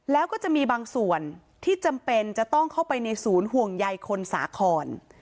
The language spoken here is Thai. แล้วก็จะมีบางส่วนที่จำเป็นจะต้องเข้าไปในศูนย์ห่วงใยคนสาคร